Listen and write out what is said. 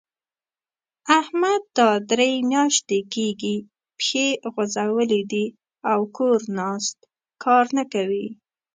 احمد دا درې مياشتې کېږي؛ پښې غځولې دي او کور ناست؛ کار نه کوي.